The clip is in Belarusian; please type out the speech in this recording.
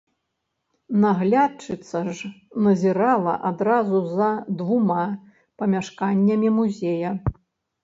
Наглядчыца ж назірала адразу за двума памяшканнямі музея.